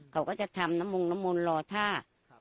เขาก็จะทำนมงด์นมงด์รอท่า